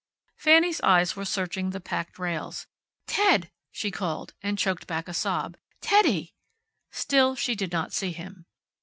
Fanny's eyes were searching the packed rails. "Ted!" she called, and choked back a sob. "Teddy!" Still she did not see him.